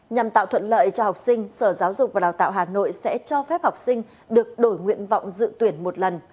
nhằm tạo thuận lợi cho học sinh sở giáo dục và đào tạo hà nội sẽ cho phép học sinh được đổi nguyện vọng dự tuyển một lần